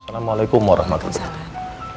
assalamualaikum warahmatullahi wabarakatuh